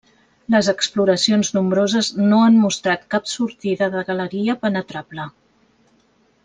Les exploracions nombroses no han mostrat cap sortida de galeria penetrable.